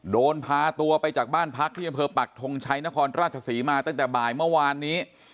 โดนพาตัวไปจากบ้านพักที่อำเภอปักทงชัยนครราชศรีมาตั้งแต่บ่ายเมื่อวานนี้